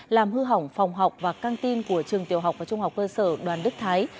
làm hư hỏng phòng học và căng tin của trường tiểu học và trung học cơ sở đoàn đức thái